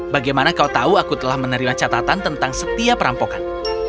bagaimana kau tahu aku telah menerima catatan tentang setiap perampokan